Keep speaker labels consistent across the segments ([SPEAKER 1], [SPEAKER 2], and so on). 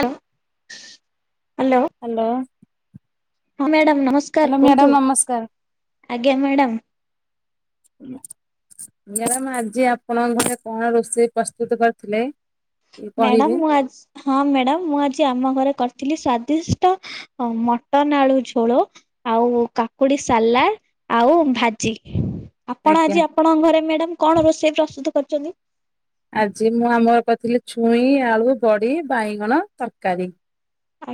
[SPEAKER 1] ଆଁ hello.
[SPEAKER 2] Hello.
[SPEAKER 1] ହଁ madam ନମସ୍କାର୍ କୁହନ୍ତୁ
[SPEAKER 2] ନମସ୍କାର।
[SPEAKER 1] ଆଜ୍ଞା ମ୍ୟାଡ଼ାମ୍
[SPEAKER 2] ମ୍ୟାଡାମ୍ ଆଜି ଆପଣଙ୍କ ଘରେ କଣ ରୋଷେଇ ପ୍ରସ୍ତୁତୁ କରିଥିଲେ?
[SPEAKER 1] ମ୍ୟାଡ଼ାମ୍
[SPEAKER 2] କହିବେ
[SPEAKER 1] ମୁଁ ଆ ହଁ ମ୍ୟାଡ଼ାମ୍ ମୁଁ ଆଜି ଆମ ଘରେ କରିଥିଲି ସ୍ଵାଦିଷ୍ଟ ଅ ମଟନ୍ ଆଳୁ ଝୋଳୋ ଆଉ କାକୁଡି ସାଲା ଆଉ ଭାଜି। ଆପଣ
[SPEAKER 2] ଆଜ୍ଞା।
[SPEAKER 1] ଆଜି ଆପଣଙ୍କ ଘରେ ମ୍ୟାଡ଼ାମ କଣ ରୋଷେଇ ପ୍ରସ୍ତୁତ କରୁଚନ୍ତି?
[SPEAKER 2] ଆଜି ମୁଁ ଆମର କରିଥିଲି ଛୁଇଁ, ଆଳୁ, ବଡି, ବାଇଗଣ ତରକାରୀ।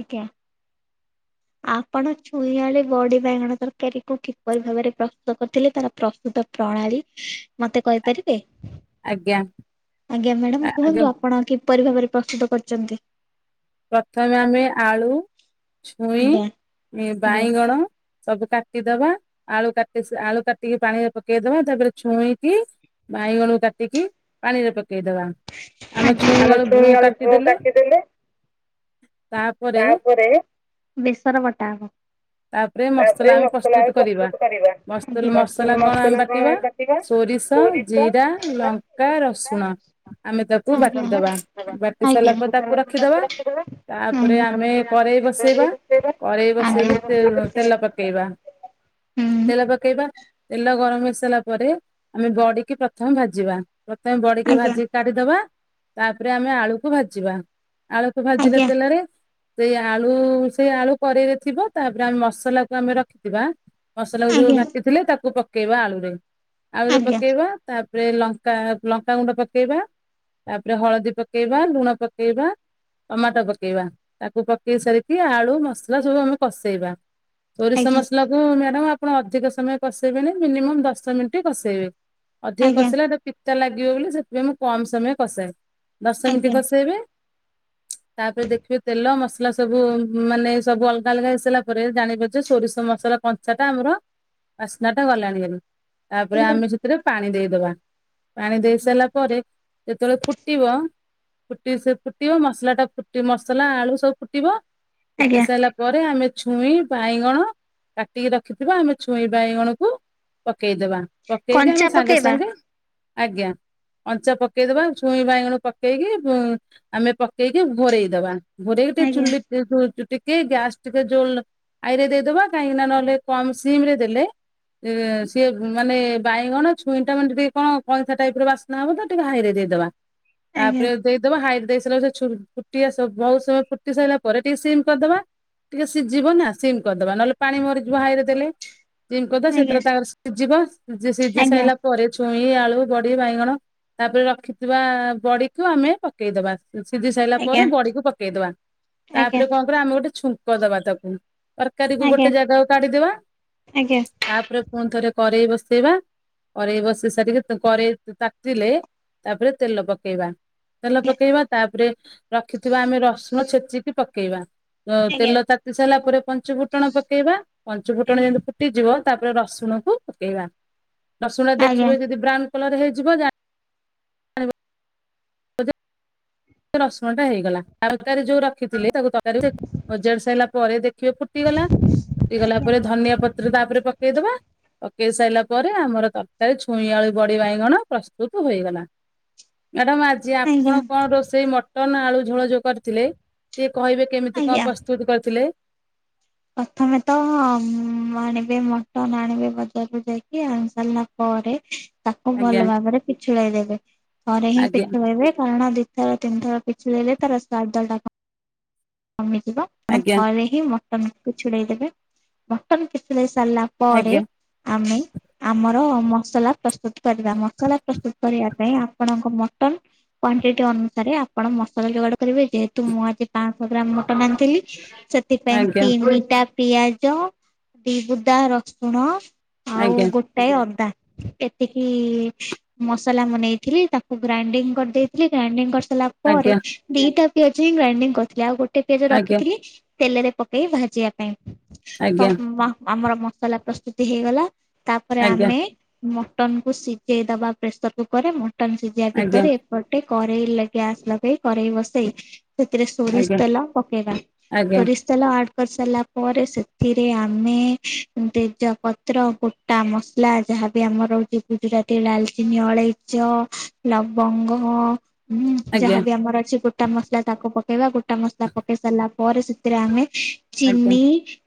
[SPEAKER 1] ଆଜ୍ଞା। ଆପଣ ଛୁଇଁ, ଆଳି, ବଡି, ବାଇଗଣ ତର୍କାରୀ କୁ କିପରି ଭାବରେ ପ୍ରସ୍ତୁତ କରିଥିଲେ ତାର ପ୍ରସ୍ତୁତ ପ୍ରଣାଳୀ ମତେ କହିପାରିବେ?
[SPEAKER 2] ଆଜ୍ଞା
[SPEAKER 1] ଆଜ୍ଞା ମ୍ୟାଡାାମ୍
[SPEAKER 2] ଆଜ୍ଞା
[SPEAKER 1] କୁହନ୍ତୁ ଆପଣ କିପରି ଭାବରେ ପ୍ରସ୍ତୁତ କରିଚନ୍ତି?
[SPEAKER 2] ପ୍ରଥମେ ଆମେ ଆଳୁ, ଛୁଇଁ,
[SPEAKER 1] ଆଜ୍ଞା ଆଜ୍ଞା
[SPEAKER 2] ବାଇଗଣ ସବୁ କାଟିଦବା ଆଳୁ କାଟି ଆଳୁ କାଟିକି ପାଣିରେ ପକେଇଦବା ତାପରେ ଛୁଇଁକି ବାଇଗଣୁ କାଟିକି ପାଣିରେ ପକେଇଦବା ଆମେ
[SPEAKER 1] ଆଜ୍ଞା
[SPEAKER 2] ଛୁଇଁ ଆଳୁ କାଟିଦେଲେ
[SPEAKER 1] ତାପରେ ବେସର ବଟା ହବ।
[SPEAKER 2] ତାପରେ ମସଲା ଆମେ ପ୍ରସ୍ତୁତୁ କରିବା।
[SPEAKER 1] ଆଜ୍ଞା।
[SPEAKER 2] [unintelligible] ମସଲା କଣ ଆମେ ବାଟିବା? ସୋରିଷ, ଜିରା, ଲଙ୍କା, ରସୁଣ ଆମେ ତାକୁ
[SPEAKER 1] ଆଜ୍ଞା ଆଜ୍ଞା।
[SPEAKER 2] ବାଟିଦେବା। ବାଟି ସାରିଲା ପରେ ତାକୁ
[SPEAKER 1] ଆଜ୍ଞା।
[SPEAKER 2] ରଖିଦବା। ତାପରେ ଆମେ କରେଇ ବସେଇବା କରେଇ ବସେଇକି ତେ
[SPEAKER 1] ଆଜ୍ଞା।
[SPEAKER 2] ତେଲ ପକେଇବା।
[SPEAKER 1] ହୁଁ
[SPEAKER 2] ତେଲ ପକେଇବା ତେଲ ଗରମ ହେଇସାରିଲା ପରେ ଆମେ ବଡିକି ପ୍ରଥମେ ଭାଜିବା ପ୍ରଥମେ ବଡିକି
[SPEAKER 1] ଆଜ୍ଞା
[SPEAKER 2] ଭାଜିିକି କାଢିଦବା ତାପରେ ଆମେ ଆଳୁକୁ ଭାଜିବା। ତ ଭାଜିଲା
[SPEAKER 1] ଆଜ୍ଞା
[SPEAKER 2] ତେଲରେ ସେଇ ଆଳୁ ସେଇ ଆଳୁ କରେଇରେ ଥିବ ତାପରେ ଆମେ ମସଲାକୁ ଆମେ ରଖିଥିବା ମସଲା କୁ ଯୁ
[SPEAKER 1] ଆଜ୍ଞା
[SPEAKER 2] ବାଟିଥିଲେ ତାକୁ ପକେଇବା ଆଳୁରେ ଆଳୁରେ
[SPEAKER 1] ଆଜ୍ଞା
[SPEAKER 2] ପକେଇବା ତାପରେ ଲଙ୍କା ଲଙ୍କାଗୁଣ୍ଡ ପକେଇବା ତାପରେ ହଳଦୀ ପକେଇବା ଲୁଣ ପକେଇବା ଟମାଟୋ ପକେଇବା ତାକୁ ପକେଇ ସାରିକି ଆଳୁ ମସଲା ସବୁ ଆମେ କଷେଇବା। ସୋରିଷ ମସଲା ଉଁ ମ୍ୟାଡ଼ାମ ଆପଣ ଅଧିକ ସମୟ କସେଇବେନି ମିନିମମ୍ ଦଶ ମିନିଟ୍ କସେଇବେ ଅଧିକ
[SPEAKER 1] ଆଜ୍ଞା
[SPEAKER 2] କଷେଇଲା ପିତା ଲାଗିବ ବୋଲି ସେଥିପାଇଁ ମୁଁ କମ ସମୟ କସାଏ ଦଶ ମିନିଟ୍
[SPEAKER 1] ଆଜ୍ଞା
[SPEAKER 2] କସେଇବେ ତାପରେ ଦେଖିବେ ତେଲ ମସଲା ସବୁ ମାନେ ସବୁ ଅଲଗା ଅଲଗା ହେଇସାରା ପରେ ଜାଣିବ ଯେ ସୋରିଷ ମସଲା କଞ୍ଚା ଟା ଆମର ବାସ୍ନା ଟା ଗଲାଣି ହେରି ତାପରେ
[SPEAKER 1] ଆଜ୍ଞା।
[SPEAKER 2] ଆମେ ସେଥିରେ ପାଣି ଦେଇଦବା। ପାଣି ଦେଇ ସାରିଲା ପରେ ଯେତେବେଳେ ଫୁଟିବ ଫୁଟ ସେ ଫୁଟିବ ମସ ମସଲା ଟା ଫୁଟି ମସଲା ଆଳୁ ସବୁ ଫୁଟିବ ଫୁଟି
[SPEAKER 1] ଆଜ୍ଞା
[SPEAKER 2] ସାଇଲା ପରେ ଆମେ ଛୁଇଁ ବାଇଗଣ କାଟିକି ରଖିଥିବା ଆମେ ଛୁଇଁ ବାଇଗଣକୁ ପକେଇଦବା ପକେଇକି
[SPEAKER 1] କଞ୍ଚା
[SPEAKER 2] ଆମେ ସାଙ୍ଗେ
[SPEAKER 1] ପକେଇବା
[SPEAKER 2] ସାଙ୍ଗେ ଆଜ୍ଞା କଞ୍ଚା ପକେଇଦବା ଝୁଇଁ ବାଇଗଣ ପକେଇକି ଆମେ ପ ପକେଇକି ଘରେଇ ଦବା ଘରେକି ଟିକେ
[SPEAKER 1] ଆଜ୍ଞା
[SPEAKER 2] ଚୁଲି ଟେ କି ଗ୍ୟାସ୍ ଟିକେ ଜୋ ହାଇରେ ଦେଇଦବା କାହିଁକି ନା ନହେଲେ କମ ସିମରେ ଦେଲେ ସିଏ ମାନେ ବାଇଗଣ ଛୁଇଁଟା ମେଣ୍ଟ ବି କଣ କଇଁଥ ଟାଇପ ର ବାସ ନା ମ ତ ଟିକେ ହାଇରେ ଦେଇଦବା
[SPEAKER 1] ଆଜ୍ଞା
[SPEAKER 2] ତାପରେ ଦେଇଦବା ହାଇରେ ଦେଇ ସାରିଲା ଛୁରୁ ଫୁଟି ଆସ ବହୁତ ସମୟ ଫୁଟି ସାଇଲା ପରେ ଟିକେ ସିମ କରିଦବା। ଟିକେ ସିଝିବ ନା ସିମ୍ କରିଦବା ନହେଲେ ପାଣି ମରିଯିବ ହାଇରେ ଦେଲେ ଜିମ କର ଦେବା
[SPEAKER 1] ଆଜ୍ଞା
[SPEAKER 2] ସେଥିରେ ତା ସିଝିବ ସି ସିଝି
[SPEAKER 1] ଆଜ୍ଞା
[SPEAKER 2] ସାଇଲା ପରେ ଛୁଇଁ ଆଳୁ ବଡି ବାଇଗଣ ତାପରେ ରଖିଥିବା ବଡିକୁୁ ଆମେ ପକେଇଦବା। ସିଝି ସାଇଲା
[SPEAKER 1] ଆଜ୍ଞା
[SPEAKER 2] ପରେ ବଡିକୁ ପକେଇଦବା।
[SPEAKER 1] ଆଜ୍ଞା ଆଜ୍ଞା
[SPEAKER 2] ତାପରେ କଣ କରିବା ଆମେ ଗୋଟେ ଛୁଙ୍କ ଦବା ତାକୁ ତରକାରୀକୁ ଗୋଟେ
[SPEAKER 1] ଆଜ୍ଞା
[SPEAKER 2] ଜାଗା କାଢିଦବା।
[SPEAKER 1] ଆଜ୍ଞା।
[SPEAKER 2] ତାପରେ ପୁଣି ଥରେ କରେଇ ବସେଇବା କରେଇ ବସି ସାରିକି କରେଇ ତାତିିଲେ ତାପରେ ତେଲ ପକେଇବା। ତେଲ ପକେଇବା ତାପରେ ରଖିଥିବା ଆମେ ରସୁଣ ଛେଚିକି ପକେଇବା ତେଲ
[SPEAKER 1] ଆଜ୍ଞା
[SPEAKER 2] ତାତି ସାରିଲା ପରେ ପଞ୍ଚ ଫୁଟଣ ପକେଇବା ପଞ୍ଚୁ
[SPEAKER 1] ଆଜ୍ଞା
[SPEAKER 2] ଫୁଟଣ
[SPEAKER 1] ଆଜ୍ଞା
[SPEAKER 2] ଯେମିତି ଫୁଟିଯିବ ତାପରେ ରସୁଣକୁ ପକେଇବା ରସୁଣ ଦେଖିବେ ଯଦି ବ୍ରାଉନ କଲର ହେଇଯିବ ଯା ସେ ରସୁଣ ଟା ହେଇଗଲା ତରକାରୀ ଯୋଉ ରଖିଥିଲି ତାକୁ ତରକାରୀ ଅଜାଡ଼ି ସାଇଲା ପରେ ଦେଖିବ ଫୁଟିଗଲା ଫୁଟିଗଲା
[SPEAKER 1] ଆଜ୍ଞା
[SPEAKER 2] ପରେ ଧନିଆ ପତ୍ର ତାପରେ ପକେଇଦବା ପକେଇ ସାରିଲା ପରେ ଆମର ତରକାରୀ ଛୁଇଁ ଆଳୁ ବଡି ବାଇଗଣ ପ୍ରସ୍ତୁତୁ ହୋଇଗଲା। ମ୍ୟାଡ଼ାମ ଆଜି
[SPEAKER 1] ଆଜ୍ଞା
[SPEAKER 2] ଆପଣ କଣ ରୋଷେଇ ମଟନ ଆଳୁ ଝୋଳଝୋ କରିଥିଲେ ଟିକେ କହିବେ? କେମିତି କଣ
[SPEAKER 1] ଆଜ୍ଞା
[SPEAKER 2] ପ୍ରସ୍ତୁତ କରିଥିଲେ?
[SPEAKER 1] ପ୍ରଥମେ ତ ଆଣିବେ ମଟନ ଆଣିବେ ବଜାରରୁ ଯାଇକି ଆଣି ସାରିଲା ପରେ ତାକୁ
[SPEAKER 2] ଆଜ୍ଞା
[SPEAKER 1] ଭଲ ଭାବରେ ପିଛୁଳେଇ ଦେବେ ପରେଥରେ ହିଁ
[SPEAKER 2] ଆଜ୍ଞା
[SPEAKER 1] ପିଛୁଳେଇବେ କାରଣ ଦି ଦି ଥର ତିିନି ଥର ପିଛେଲେଇଲେ ତାର ସ୍ୱାଦ ଟା କମିଯିବ ଆପଣ
[SPEAKER 2] ଆଜ୍ଞା
[SPEAKER 1] ଥରେ ହିଁ ମଟନ୍ ପିଛେଳେଇ ଦେବେ ମଟନ୍ ପିଛେଳେଇ ସାରିଲା ପରେ ଆମେ ଆମର ମସଲା ପ୍ରସ୍ତୁତ କରିବା ମସଲା ପ୍ରସ୍ତୁତ କରିବା ଆପଣଙ୍କ ମଟନ? କ୍ୱାଣ୍ଟିଟି ଅନୁସାରେ ଆପଣ ମସଲା ଯୋଗାଡ଼ କରିବେ ଯେହେତୁ ମୁଁ ଆଜି ପା ମଟନ୍ ଆଣିଥିଲି ସେଥିପାଇଁ
[SPEAKER 2] ଆଜ୍ଞା
[SPEAKER 1] ତିନିଟ ପିଆଜ ଦିିବୁଦା ରସୁଣ ଆଉ
[SPEAKER 2] ଆଜ୍ଞା
[SPEAKER 1] ଗୋଟ ଟାଏ ଅଦାଏତିକି ମସଲା ମନେଇଥିଲି ତାକୁ ଗ୍ରାଇଣ୍ଡିଙ୍ଗ କରିଦେଇଥିଲି ଗ୍ରାଇଣ୍ଡିଙ୍ଗ କରିସାରିଲା ପରେ
[SPEAKER 2] ଆଜ୍ଞା
[SPEAKER 1] ଦିଟା ପିଆଜ ହିଁ ଗ୍ରାଇଣ୍ଡିଙ୍ଗ କରିଥିଲି ଆଉ ଗୋଟେ ପିଆଜ
[SPEAKER 2] ଆଜ୍ଞା ଆଜ୍ଞା
[SPEAKER 1] ରଖିଥିଲି। ତେଲରେ ପକେଇ ଭାଜିବା ପାଇଁ ତ ଆମର ମସଲା ପ୍ରସ୍ତୁତି ହେଇଗଲା। ତାପରେ
[SPEAKER 2] ଆଜ୍ଞା
[SPEAKER 1] ଆମେ ମଟନ କ ସିଝେଇ ଦବା ପ୍ରେସର କୁକର ରେ ମଟନ୍ ସିେଇ
[SPEAKER 2] ଆଜ୍ଞା
[SPEAKER 1] ଭିତରେ ଏପଟେ କରେଇ ଗ୍ୟାସ୍ ଲଗେଇ କରେେଇ ବସେଇ ସେଥିରେ ସୋରିଷ ତେଲ ପକେଇବା
[SPEAKER 2] ଆଜ୍ଞା
[SPEAKER 1] ସୋରିଷ ଲ ଆଡ କରି ସାରିଲା ପରେ ସେଥିରେ ଆମେ ତେଜ ପତ୍ର ତା ମସଲା ଯାହାବି ଆମର ରହୁଛି ଗୁଜୁରାତି ଡାଲଚିନି ଅଳେଇଚ ଲବଙ୍ଗ। ହୁଁ
[SPEAKER 2] ଆଜ୍ଞା ଆଜ୍ଞା ଆଜ୍ଞା
[SPEAKER 1] ଯାହାବି ଆମର ଅଛି ଗୋଟା ମସଲା ତାକୁ ପକେଇବା ଗୋଟା ମସଲା ପକେଇ ସାରିଲା ପରା ସୁିତରାଙ୍ଗ ଚିିନି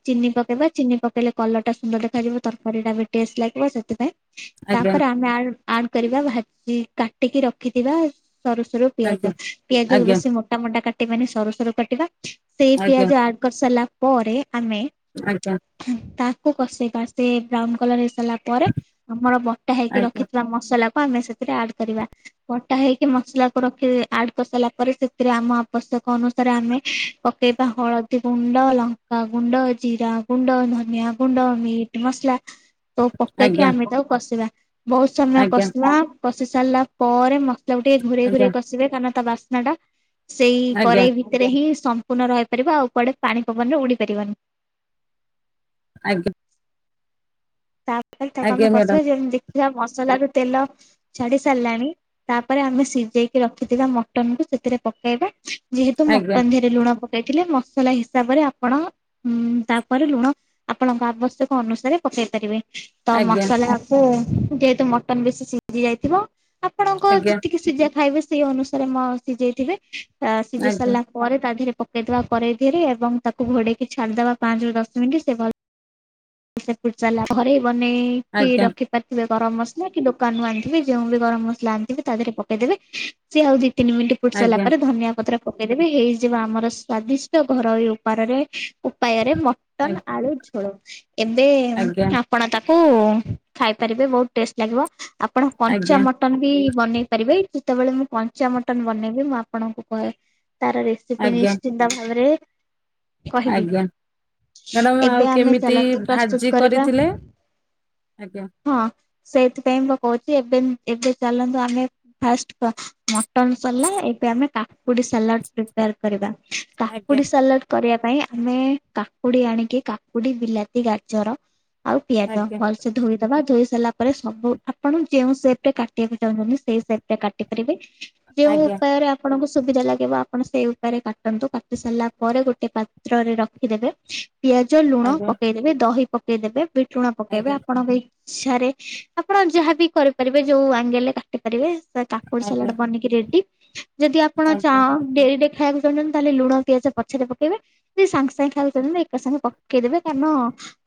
[SPEAKER 1] ଚିନି ପକେଇବା ଚିନି ପକେଇଲେ କଲର ଟା ସୁନ୍ଦର ଦେଖାଯିବ ତରକାରୀ ଟା ବି ଟେଷ୍ଟ ଲାଗିବ ସେଥିପାଇଁ ତାପରେ ଆମେ ଆଡ କରିବା ଭାଜି କାଟିକି ରଖିଥିବା ସରୁ ସରୁ ପିଆଜ
[SPEAKER 2] ଆଜ୍ଞା ଆଜ୍ଞା ଆଜ୍ଞା ଆଜ୍ଞା ଆଜ୍ଞା ଆଜ୍ଞା
[SPEAKER 1] ପିଆଜ କ ବେଶୀ ମୋଟା ମୋଟା କାଟ ମାନେ ସରୁ ସରୁ କଟିବା। ସେଇ
[SPEAKER 2] ଆଜ୍ଞା
[SPEAKER 1] ପିଆଜ ଆଡ କରି ସାରିଲା ପରେ ଆମେ
[SPEAKER 2] ଆଜ୍ଞା।
[SPEAKER 1] ତାକୁ କଷେଇବା ସେ ବ୍ରାଉନ କଲର ହେଇସାରିଲା ପରେ ଆମର ବଟା ହେଇକି ରଖିଥିବା ମସଲା ଆମେ ସେଥିରେ ଆଡ କରିବା କଟା ହେଇକି ମସଲାକୁ ରଖି ଆଡ କରିସାରିଲା ପରେ ସେଥିରେ ଆମ ପୋଷାକ ଅନୁସାରେ ଆମେ ପକେଇବା ହଳଦୀ ଗୁଣ୍ଡ ଲଙ୍କା ଗୁଣ୍ଡ ଜିରା ଗୁଣ୍ଡନନିଆ ଗୁଣ୍ଡ ମିଟ୍ ମସଲା ତକୁ ପକେଇକି
[SPEAKER 2] ଆଜ୍ଞା
[SPEAKER 1] ଆମେ ତାକୁ କଷିବା ବହୁତ ସମୟ
[SPEAKER 2] ଆଜ୍ଞା ଆଜ୍ଞା
[SPEAKER 1] କଷିବା କଷି ସାରିଲା ପରେ ଯେମତି ଟିକେ ଘୋରେଇ
[SPEAKER 2] ଆଜ୍ଞା
[SPEAKER 1] ଘରେଇ କସିବେ କାରଣ ତା ବାସ୍ନା ଟା ସେଇ କରେଇ ଭିତରେ ହିଁ ସମ୍ପୂର୍ଣ୍ଣ ରହିପାରିବ ଆଉ କୁଆଡେ ପାଣି ପବନ ରେ ଉଡି ପାରିବନି।
[SPEAKER 2] ଆଜ୍ଞା।
[SPEAKER 1] ଖାଲି ତାକୁ
[SPEAKER 2] ଆଜ୍ଞା
[SPEAKER 1] ଆମେ
[SPEAKER 2] ମ୍ୟାଡ଼ାମ
[SPEAKER 1] କସିବା ଯେମତି ଦେଖିଆ ମସଲା ରୁ ତେଲ ଛାଡି ସାରିଲାଣି ତାପରେ ଆମେ ସିଜେଇକି ରଖିଥିବା ମଟନକୁ ସେଥିରେ ପକେଇବା। ଯେହେତୁ
[SPEAKER 2] ଆଜ୍ଞା
[SPEAKER 1] ମଟନ୍ ଧିଏରେ ଲୁଣ ପକେଇଥିଲେ ମସଲା ହିସାବରେ ଆପଣ ହୁଁଉଁ ତାପରେ ଲୁଣ ଆପଣଙ୍କ ଆବଶ୍ୟକ ଅନୁସାରେ ପକେଇ ପାରିବେ ତ
[SPEAKER 2] ଆଜ୍ଞା
[SPEAKER 1] ମସଲାକୁ ଯେହେତୁ ମଟନ୍ ବେଶୀ ସିଝି ଯାଇଥିବ [inaudible] ଆପଣଙ୍କ
[SPEAKER 2] ଆଜ୍ଞା
[SPEAKER 1] ଯେତିକି ସିଝା ଖାଇବେ ସେଇ ଅନୁସାରେ ମ ସିଝେଇଥିବେ ସିଝେଇ
[SPEAKER 2] ଆଜ୍ଞା
[SPEAKER 1] ସାରିଲା ପରେ ତା ଧିରେ ପକେଇଦବା ପରେ ଧରେ ଏବଂ ତାକୁ ଘୋଡେଇକି ଛାଡିଦବା ପାଞ୍ଚ ରରୁ ଦଶ ମିନିଟ୍ ସେ ଭଲ ସେଲା ଘରେ ବନେଇକି
[SPEAKER 2] ଆଜ୍ଞା
[SPEAKER 1] ରଖି ଥିବେ ଗରମ ମସଲା କି ଦୋକାନୁ ଆଣିଥିବେ ଯେଉଁ ବି ଗରମ ମସଲା ଆଣିଥିବେ ତା ଦେହରେ ପକେଇଦବେ ସି ଆଉ ଦି ତିନି ମିନିଟ ଫୁଟ ସାରିଲା
[SPEAKER 2] ଆଜ୍ଞା
[SPEAKER 1] ପରେ ଧନିଆ ପତ୍ର ପକେଇଦେବେି ହେଇଯିବ ଆମର ସ୍ଵାଦିଷ୍ଟ ଘରୋଇ ଉପାରରେ ଉପାୟରେ ମଟନ୍ ଆଳୁ ଝୋଳ ଏବେ
[SPEAKER 2] ଆଜ୍ଞା
[SPEAKER 1] ଆପଣ ତାକୁ ଖାଇପାରିବେ ବହୁତ ଟେଷ୍ଟ ଲାଗିବ ଆପଣ କଞ୍ଚ
[SPEAKER 2] ଆଜ୍ଞା
[SPEAKER 1] ମ ଟନ୍ ବି ବନେଇ ପାରିବେ ଯେତେବେଳେ ମୁଁ କଞ୍ଚା ମଟନ୍ ବନେଇବି ମୁଁ ଆପଣଙ୍କୁ କ ତାର ରେସ୍ ଏବେ
[SPEAKER 2] ଆଜ୍ଞା
[SPEAKER 1] ନିଶ୍ଚିନ୍ତ ଭାବରେ। କହିବି
[SPEAKER 2] ଆଜ୍ଞା ମ୍ୟାଡ଼ାମ
[SPEAKER 1] ଏବେ
[SPEAKER 2] ଆଉ
[SPEAKER 1] ଆମେ
[SPEAKER 2] କେମିତି
[SPEAKER 1] ଚାଲନ୍ତୁ ପ୍ରସ୍ତୁତ
[SPEAKER 2] ଭାଜି
[SPEAKER 1] କରିବା
[SPEAKER 2] କରିଥିଲେ? ଆଜ୍ଞା।
[SPEAKER 1] ହଁ ସେଇଥିପେଇଁ ମୁଁ ପା କହୁଛି ଏବେ ଉମ ଏବେ ଚାଲନ୍ତୁ ଆମେ ଫାଷ୍ଟ ମଟନ ସରଲାଏବେ ଆମେ କାକୁଡି ସାଲାଡ ପ୍ରିପେୟାର କରିବା
[SPEAKER 2] ଆଜ୍ଞା
[SPEAKER 1] କାକୁଡି ସାଲାଡ କରିବା ପାଇଁ ଆମେ କାକୁଡି ଆଣିକି କାକୁଡି ବିଲାତି ଗାଜର ଆଉ ପିଆଜ
[SPEAKER 2] ଆଜ୍ଞା
[SPEAKER 1] ଭଲ ସେ ଧୋଇଦବା। ଧୋଇ ସାରିଲା ପରେ ସବୁ ଆପଣ ଯେଉଁ ସେପରେ କାଟିଆକୁ ଚାହୁଁଛନ୍ତି ସେଇ ସେପରେ କାଟି ପାରିବେ। ଯେଉଁ
[SPEAKER 2] ଆଜ୍ଞା
[SPEAKER 1] ଉପାୟରେ ଆପ୍ ପଣଙ୍କୁ ସୁବିଧା ଲାଗିବ ଆପଣ ସେଇ ଉପାୟରେ କାଟନ୍ତୁ। କାଟି ସାରିଲା ପରେ ଗୋଟେ ପାତ୍ରରେ ରଖିଦେବେ। ପିଆଜ, ଲୁଣ
[SPEAKER 2] ଆଜ୍ଞା
[SPEAKER 1] ପକେଇଦେବେ, ଦହି ପକେଇଦେବେ, ବିିଟ୍ ଲୁଣ ପକେଇବେ
[SPEAKER 2] ଆଜ୍ଞା
[SPEAKER 1] ଆପଣଙ୍କ ଇ ଚ୍ଛାରେ ଆପଣ ଯାହାବି କରିପାରିବେ ଯୋଉ ଆଙ୍ଗେଲରେ କାଟି ପାରିବେ। [unintelligible] କାକୁଡି ସାଲାଡ
[SPEAKER 2] ଆଜ୍ଞା
[SPEAKER 1] ବନିକି ରେଡି ଯଦି ଆପଣ ଚାଁ
[SPEAKER 2] ଆଜ୍ଞା ଆଜ୍ଞା ଆଜ୍ଞା
[SPEAKER 1] ଡେରିରେ ଖାଇବାକୁ ଚାହୁଁଛନ୍ତି ତାହେଲେ ଲୁଣ, ପିଆଜ ପଛରେ ପକେଇବେ। ଯଦି ସାଙ୍ଗେ ସାଙ୍ଗେ ଖାଇବାକୁ ଚାହୁଁଚନ୍ତି ଏକା ସାଙ୍ଗେ ପକେଇଦେବେ କାରଣ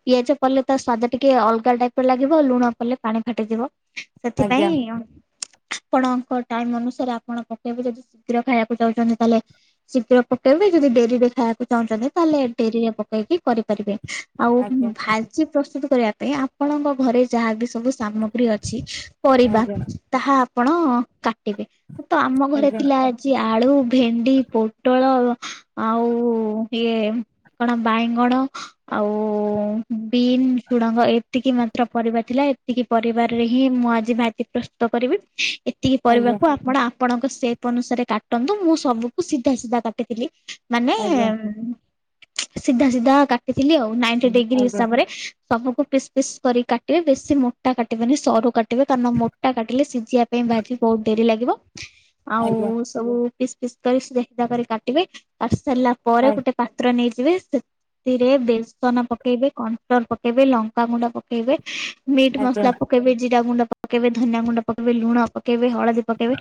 [SPEAKER 1] ପିଆଜ ପଡିଲେ ତା ସ୍ଵାଦ ଟିକେ ଅଲଗା ଟାଇପର ଲାଗିବ। ଲୁଣ ପଡିଲେ ପାଣି ଫାଟିଯିବ।
[SPEAKER 2] ଆଜ୍ଞା ଆଜ୍ଞା ଆଜ୍ଞା ଆଜ୍ଞା
[SPEAKER 1] ସେଥିପାଇଁ
[SPEAKER 2] ଆଜ୍ଞା
[SPEAKER 1] ଉଁ ଆଃ। ଆପଣଙ୍କ ଟାଇମ୍ ଅନୁସାରେ ଆପଣ ପକେଇବେ ଯଦି ଶୀଘ୍ର ଖାଇଆକୁ ଚାହୁଁଚନ୍ତି ତାହେଲେ ଶୀଘ୍ର ପକେଇବେ ଯଦି ଡେରିରେ ଖାୟାକୁ ଚାହୁଁଛନ୍ତି ତାହେଲେ ଡେରିରେ ପକେଇକି କରିପାରିବେ। ଆଉ ଭା ଜି ପ୍ରସ୍ତୁତ କରିବା ପାଇଁ ଆପଣଙ୍କ ଘରେ ଯାହା ବି ସବୁ ସାମଗ୍ରୀ ଅଛି ପରିବା ତାହା ଆପଣ କାଟିବେ। ତ ଆମ ଘରେ ଥିଲା କିଛି ଆଳୁ, ଭେଣ୍ଡି, ପୋଟଳ ଆଉ ଇଏ କଣ ବାଇଁଗଣ ଆଉ ବିନ୍, ଝୁଡ଼ଙ୍ଗ ଏତିକି ମାତ୍ର ପରିବା ଥିଲା। ଏତିକି ପରିବାରରେ ହିଁ ମୁଁ ଆଜି ଭାଜି ପ୍ରସ୍ ସ୍ତୁତ କରିବି। ଏତିକି ପରିବାକୁ ଆପ୍ ପଣ ଆପଣଙ୍କ ସେପ୍ ଅନୁସାରେ କାଟନ୍ତୁ। ମୁଁ ସବୁକୁ ସିଧା ସିଧା କାଟିଥିଲି। ମାନେ
[SPEAKER 2] ଆଜ୍ଞା।
[SPEAKER 1] ଉଁ ସିଧା ସିଧା କାଟିଥିଲି ଆଉ। ନାଇଣ୍ଟି
[SPEAKER 2] ଆଜ୍ଞା ଆଜ୍ଞା ଆଜ୍ଞା ଆଜ୍ଞା ଆଜ୍ଞା ଆଜ୍ଞା ଆଜ୍ଞା ଆଜ୍ଞା ଆଜ୍ଞା ଆଜ୍ଞା ଆଜ୍ଞା ଆଜ୍ଞା
[SPEAKER 1] ଡିଗ୍ରୀସ୍
[SPEAKER 2] ଆଜ୍ଞା
[SPEAKER 1] ରେ ସବୁକୁ ପିସ୍ ପିସ୍ କରି କାଟିବେ। ବେଶି ମୋଟା କାଟିବେନି ସରୁ କାଟ୍ କାଟିବେ କାରଣ ମୋଟା କାଟିଲେ ସିଝିଆ ପାଇଁ ଭାଜିି ବହୁତ ଡେରି ଲାଗିବ। ଆଉ
[SPEAKER 2] ଆଜ୍ଞା
[SPEAKER 1] ସବୁ ପିସ୍ ପିସ୍ କରି ସିଧା କରି କାଟିବେ। କାଟି ସାରିଲା ପରେ ଗୋଟେ ପାତ୍ର ନେଇଯିବେ, ସେଥିରେ ବେସନ ପକେଇବେ। କନଫ୍ଲୋର୍ ପକେଇବେ, ଲଙ୍କାଗୁଣ୍ଡ ପକେଇବେ, ମିଟ୍ ମସଲା ପକ୍ କେଇବେ, ଜିରା ଗୁଣ୍ଡ ପକେଇବେ, ଧନିଆ ଗୁଣ୍ଡ ପକେଇବେ, ଲୁଣ ପକେଇବେ, ହଳଦୀ ପକେଇବେ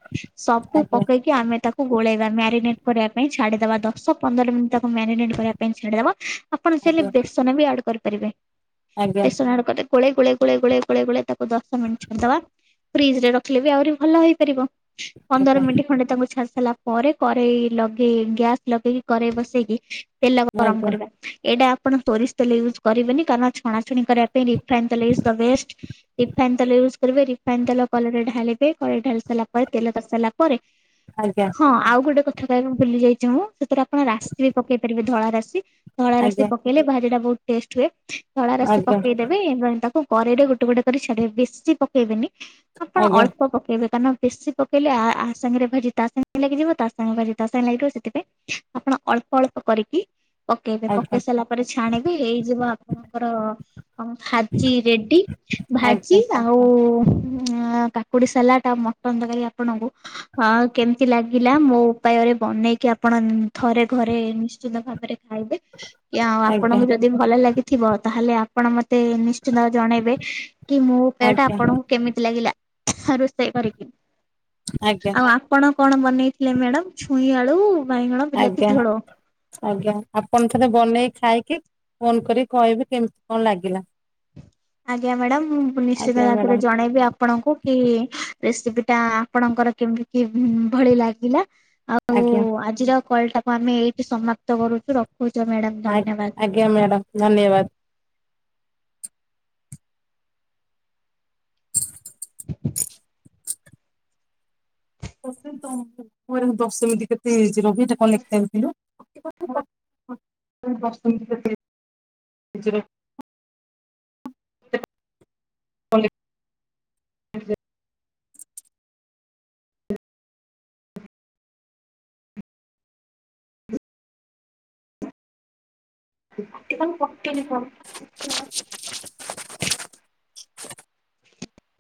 [SPEAKER 1] ସବୁ ପକେଇକ୍ କି ଆମେ ତାକୁ ଗୋଳେଇବା। ମ୍ୟାରିନେଟ୍ କରିବା ପାଇଁ ଛାଡିଦବା। ଦଶ ପନ୍ଦର ମିନିଟ୍ ତାକୁ ମ୍ୟାରିନେଟ୍ କରିବା ପାଇଁ ଛାଡିଦବ। ଆପଣ ଚାହିଁଲେ ବେସନ ବି ଆଡ୍ କରିପାରିବେ। ବେସନ ଆଡ୍ କରି ଗୋଳେଇ ଗୋଳେଇ ଗୋଳେଇ ଗୋଳେଇ ଗୋଳେଇ ଗୋଳେଇ ତାକୁ ଦଶ ମିନିଟ୍ ଛାଡିଦବା। ଫ୍ରିଜରେ ରଖିଲେ ବି ଆହୁରି ଭଲ ହେଇପାରିବ। ପନ୍ଦର ମିନିଟ୍ ଖଣ୍ଡେ ତାଙ୍କୁ ଛାଡ଼ି ସାରିଲା ପରେ କରେଇ ଲଗେଇ ଗ୍ୟାସ୍ ଲଗେଇକି କରେଇ ବସେଇକି ତେଲ ଗରମ କରିବା। ଏଇଟା ଆପଣ ସୋରିଷ ତେଲ ୟୁଜ୍ କରିବେନି କାରଣ ଛ୍ ଣାଛୁଣି କରିବା ପାଇଁ ରିଫାଇନ୍ ତେଲ ଇଜ ଦ ବେଷ୍ଟ। ରିଫାଇନ୍ ତେଲ ୟୁଜ୍ କରିବେ। ରିଫାଇନ ତେଲ କଲେଇରେ ଢାଳିବେ। କରେଇ ଢାଲି ସାରିଲା ପରେ ତେଲ ତାତି ସାରିଲା ପରେ
[SPEAKER 2] ଆଜ୍ଞା।
[SPEAKER 1] ହଁ ଆଉ ଗୋଟେ କଥା କହିବାକୁ ଭୁଲି ଯାଇଛି ମୁଁ। ସେଥିରେ ଆପଣ ରାଶି ବି ପକେଇ ପାରିବେ ଧଳା ରାଶି। ଧଳା ରଶି ପକେଇଲେ ଭାଜଟା ବହୁତ ଟେଷ୍ଟ ହୁଏ। ଧଳା ରଶି ପକେଇଦେବେ ଇଭେନ ତାକୁ କରେଇରେ ଗୋଟେ ଗୋଟେ କରି ଛାଡିବେ ବେଶୀ ପକେଇବେନି। ଆପଣ ଅଳ୍ପ ପକେଇବେ କାରନ୍ ବେଶୀ ପକେଇଲେ ଆ-ଆ ସାଙ୍ଗେରେ ଭାଜି ତା ସାଙ୍ଗେରେ ଲାଗିଯିବ ତା ସାଙ୍ଗେରେ ଭାଜି ତା ସାଙ୍ଗେରେ ଲାଗିଯିବ ସେଥିପାଇଁ ଆପଣ ଅଳ୍ପ ଅଳ୍ପ କରିକି ପକେଇବେ। ପକେଇ ସାରିଲା ପରେ ଛାଣିବି। ହେଇ ଯିବ ଆପଣଙ୍କର ଅଁ ଭାଜି ରେଡି। ଭାଜି ଆଉ ଉଁ ଉଆଁ କାକୁଡି ସାଲାଟ୍ ଆଉ ମଟନ ତରକାରୀ ଆପଣଙ୍କୁ ଆଁ କେମିତି ଲାଗିଲା ମୋ ଉପାୟରେ ବନେଇକି ଆପଣ ଉଁ ଥରେ ଘରେ ନିଶ୍ଚିନ୍ତ ଭାବରେ ଖାଇବେ। କି ଆଉ ଆପଣଙ୍କୁ ଯଦି ଭ ଭଲ ଲାଗିଥିବ ତାହେଲେ ଆପଣ ମତେ ନିଶ୍ଚିନ୍ତ ଜଣେଇବେ କି ମୋ ଉପାୟଟା ଆପଣଙ୍କୁ କେମିତି ଲାଗିଲା ରୋଷେଇ କରିକ।
[SPEAKER 2] ଆଜ୍ଞା
[SPEAKER 1] ଆଉ ଆପ୍ ପଣ କଣ ବନେଇଥିଲେ ମ୍ୟାଡ଼ାମ ଛୁଇଁ ଆଳୁ ବାଇଗଣ
[SPEAKER 2] ଆଜ୍ଞା ଆଜ୍ଞା
[SPEAKER 1] ବିଲାତି ଝୋଳ।
[SPEAKER 2] ଆଜ୍ଞା ଆପଣ ଥରେ ବନେଇକି ଖାଇକି ଫୋନ୍ କରି କହିବେ କେମିତି କଣ ଲାଗିଲା।
[SPEAKER 1] ଆଜ୍ଞା ମ୍ୟାଡାାମ ମୁଁ ନିଶ୍ଚିନ୍ତ
[SPEAKER 2] ଆଜ୍ଞା
[SPEAKER 1] ଜାଗରେ
[SPEAKER 2] ମ୍ୟାଡାମ
[SPEAKER 1] ଜଣେଇବି ଆ ଆପଣଙ୍କୁ କି ରେସିପି ଟା ଆପଣଙ୍କର କେମିତି କି ଭଳି ଲାଗିଲା ଆଉ
[SPEAKER 2] ଆଜ୍ଞା।
[SPEAKER 1] ଆଜିର କଲ୍ ଟାକୁ ଆମେ ଏଇଠି ସମାପ୍ତ କରୁଛୁ ରଖୁଛୁ ମ୍ୟାଡାମ
[SPEAKER 2] ଆ
[SPEAKER 1] ଧନ୍ୟବାଦ।
[SPEAKER 2] ଆଜ୍ଞା ମ୍ୟାଡ଼ାମ ଧନ୍ୟବାଦ। [inaudible] ତୁ ଦଶମୀ କେତେ ହେଇ ରବି ଏଟା କଣ ଲେଖା ହେଇଥିଲୁ।
[SPEAKER 1] ବସଛନ୍ତି କେତେ ନିଜରେ? [unintelligible] କଣ ପନି